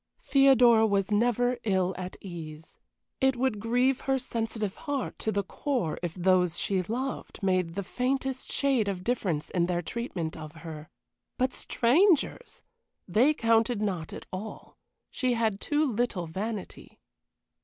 Theodora was never ill at ease. It would grieve her sensitive heart to the core if those she loved made the faintest shade of difference in their treatment of her but strangers! They counted not at all, she had too little vanity.